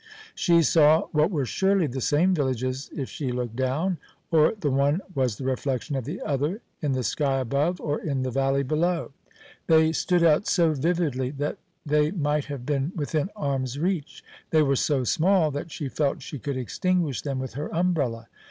She saw what were surely the same villages if she looked down; or the one was the reflection of the other, in the sky above or in the valley below. They stood out so vividly that they might have been within arm's reach. They were so small that she felt she could extinguish them with her umbrella.